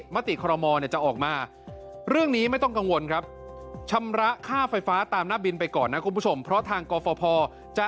มาติคอรมอมจะออกมา